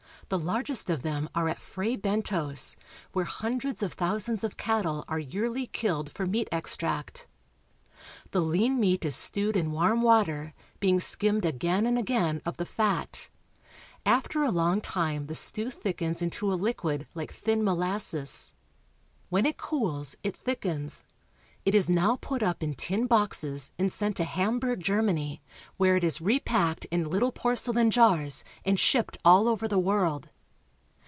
The largest of them are at Fray Bentos, where hundreds of thousands of cattle are yearly killed for meat extract. The lean meat is stewed in warm water, being skimmed again and again of the fat. After a long time the stew thickens into a liquid like thin molasses. When it cools, it thickens. It is now put up in tin boxes and sent to Hamburg, Germany, where it is repacked in Httle porcelain jars and shipped all over the world.